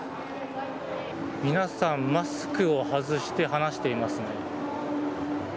皆さん、マスクを外して話していますね。